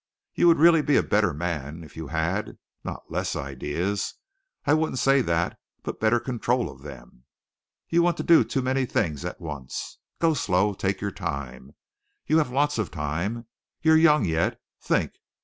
You would really be a better man if you had, not less ideas I wouldn't say that but better control of them. You want to do too many things at once. Go slow. Take your time. You have lots of time. You're young yet. Think!